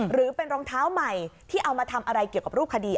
หรือเป็นรองเท้าใหม่ที่เอามาทำอะไรเกี่ยวกับรูปคดี